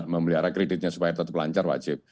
memelihara kreditnya supaya tetap lancar wajib